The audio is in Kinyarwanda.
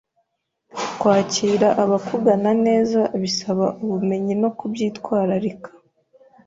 Kwakira abakugana neza bisaba ubumenyi no kubyitwararika.